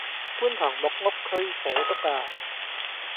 觀塘木屋區火燭呀